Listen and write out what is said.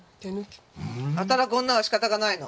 働く女は仕方がないの。